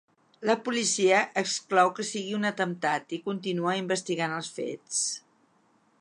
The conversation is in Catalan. La policia exclou que sigui un atemptat i continua investigant els fets.